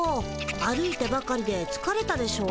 歩いてばかりでつかれたでしょう？